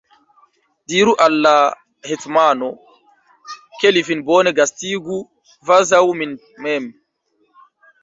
Diru al la hetmano, ke li vin bone gastigu, kvazaŭ min mem.